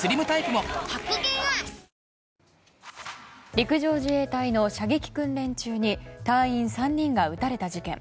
陸上自衛隊の射撃訓練中に隊員３人が撃たれた事件。